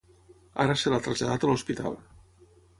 Ara se l’ha traslladat a l’hospital.